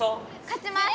かちます！